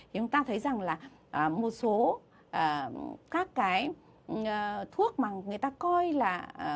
thì chúng ta thấy rằng là một số các cái thuốc mà người ta coi là